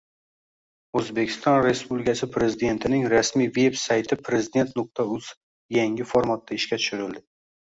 O‘zbekiston Respublikasi Prezidentining rasmiy veb-sayti – president.uz yangi formatda ishga tushirildi